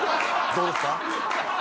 どうですか？